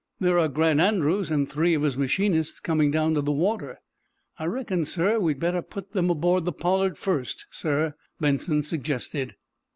"There are Grant Andrews and three of his machinists coming down to the water." "I reckon, sir, we'd better put them aboard the 'Pollard' first, sir," Benson suggested.